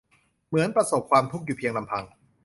เหมือนประสบความทุกข์อยู่เพียงลำพัง